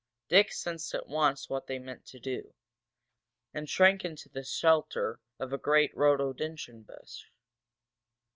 Dick sensed at once what they meant to do, and shrank into the shelter of a great rhododendron bush.